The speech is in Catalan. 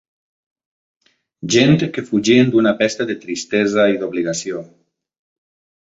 Gent que fugien d'una pesta de tristesa i d'obligació